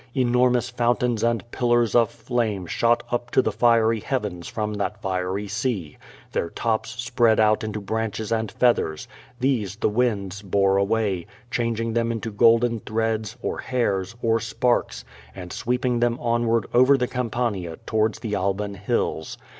Enormous fountains and pillars of flame shot up to the fiery heavens from that fiery sea; their tops spread out into branches and feathers; these the winds bore away, changing them into golden threads, or hairs, or sparks, and sweeping them onward over the Campania towards the Alban Hills.